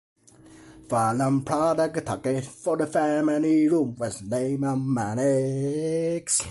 The follow-on product targeted for the family room was code named "Mannix".